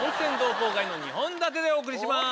２本立てでお送りします！